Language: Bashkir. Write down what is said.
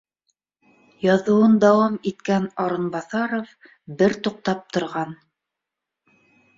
Яҙыуын дауам иткән Арынбаҫаров бер туҡтап торған